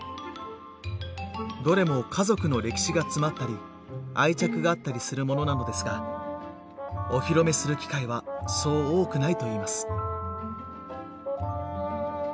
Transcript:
どれも家族の歴史が詰まったり愛着があったりするものなのですがお披露目する機会はそう多くないといいます。